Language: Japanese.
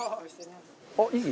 あっいい！